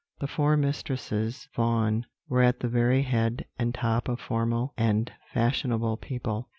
"The four Mistresses Vaughan were at the very head and top of formal and fashionable people.